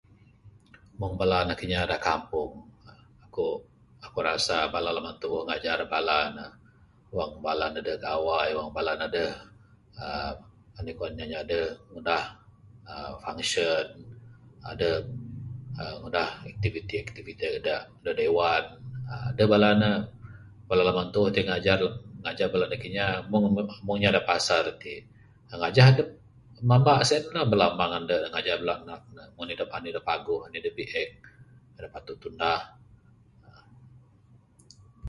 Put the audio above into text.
Meng bala anak inya da kampung aku rasa bala namba tuuh da ngajar bala ne wang bala ne deh gawai bala ne deh uhh nih kuan inya deh ngunah uhh function uhh ngunah activity activity da Dewan deh bala ne bala bala namba tuuh ngajar bala anak inya. Meng inya da pasar ti ngajah dep mamba sien lah. Ngajah bala ande ne ngajah bala amang ne meng anih da paguh meng anih da biek da patut tunah.